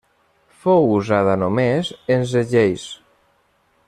Fou usada només en segells.